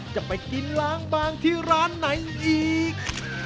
จะไปกินล้างบางที่ร้านไหนอีก